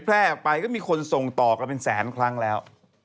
แพร่ออกไปก็มีคนส่งต่อกันเป็นแสนครั้งแล้ว